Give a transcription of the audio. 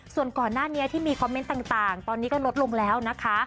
ส่วนก่อนหน้านี้ที่มีคอมเมนต์ต่างตอนนี้ก็ลดลงแล้วนะคะ